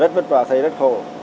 rất vất vả thấy rất khổ